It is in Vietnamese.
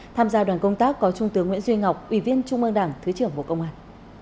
tham gia đoàn công tác có trung tướng nguyễn duy ngọc ủy viên trung ương đảng thứ trưởng bộ công an